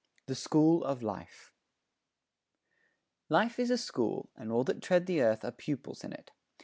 THE SCHOOL OF LIFE Life is a school, and all that tread the earth Are pupils in it.